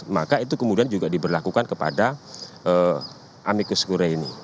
maka itu kemudian juga diberlakukan kepada amikus kure ini